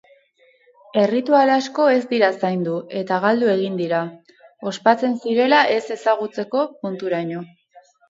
Erritual asko ez dira zaindu eta galdu egin dira, ospatzen zirela ez ezagutzeko punturaino.